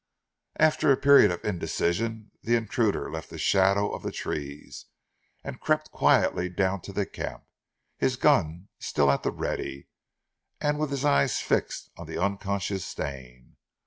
After a period of indecision, the intruder left the shadow of the trees, and crept quietly down to the camp, his gun still at the ready, and with his eyes fixed on the unconscious Stane.